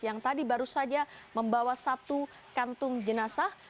yang tadi baru saja membawa satu kantung jenazah